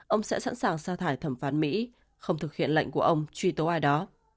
ông sẽ sẵn sàng xa thải thẩm phán mỹ không thực hiện lệnh của ông truy tố ai đó